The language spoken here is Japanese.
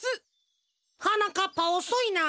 はなかっぱおそいな。